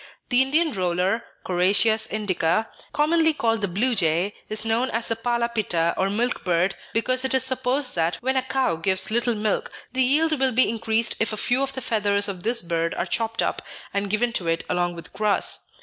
The Indian roller (Coracias indica), commonly called the blue jay, is known as pala pitta or milk bird, because it is supposed that, when a cow gives little milk, the yield will be increased if a few of the feathers of this bird are chopped up, and given to it along with grass.